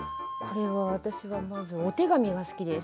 私はまずお手紙が好きです。